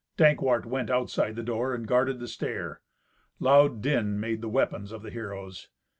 Dankwart went outside the door and guarded the stair. Loud din made the weapons of the heroes.